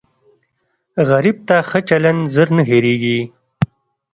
غریب ته ښه چلند زر نه هېریږي